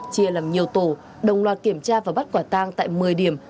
chia làm nhiều tổ đồng loạt kiểm tra và bắt quả tang tại một mươi điểm